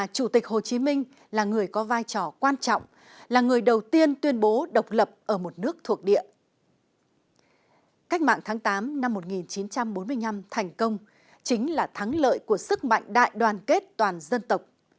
cách mạng tháng tám năm một nghìn chín trăm bốn mươi năm thành công chính là thắng lợi của sức mạnh đại đoàn kết toàn dân tộc